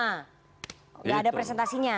enggak ada presentasinya